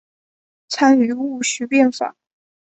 参与戊戌变法。